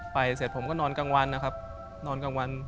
เสร็จผมก็นอนกลางวันนะครับนอนกลางวัน